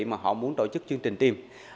mà họ muốn tổ chức chương trình team